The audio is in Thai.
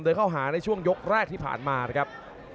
เข้าหาในช่วงยกแรกที่ผ่านมานะครับ